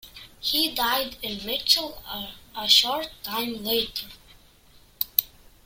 He died in Mitchell, a short time later.